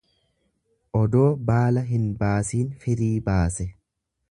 Odoo baala hin baasiin firii baase.